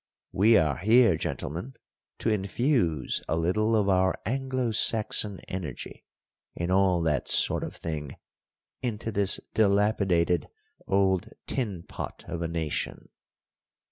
We are here, gentlemen, to infuse a little of our Anglo Saxon energy, and all that sort of thing, into this dilapidated old tin pot of a nation."